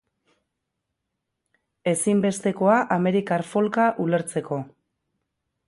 Ezinbestekoa amerikar folka ulertzeko.